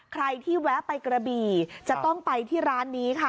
ใครที่แวะไปกระบี่จะต้องไปที่ร้านนี้ค่ะ